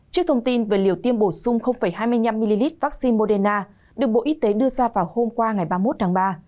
trước thông tin về liều tiêm bổ sung hai mươi năm ml vaccine moderna được bộ y tế đưa ra vào hôm qua ngày ba mươi một tháng ba